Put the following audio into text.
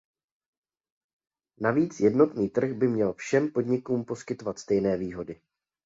Navíc jednotný trh by měl všem podnikům poskytovat stejné výhody.